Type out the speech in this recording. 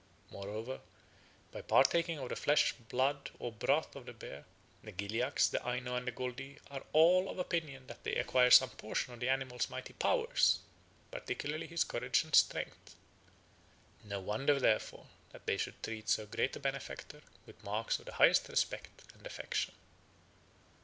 Moreover, by partaking of the flesh, blood, or broth of the bear, the Gilyaks, the Aino, and the Goldi are all of opinion that they acquire some portion of the animal's mighty powers, particularly his courage and strength. No wonder, therefore, that they should treat so great a benefactor with marks of the highest respect and affection.